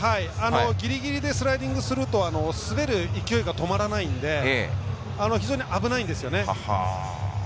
ぎりぎりでスライディングすると滑る勢いが止まらないので非常に危ないんですよね。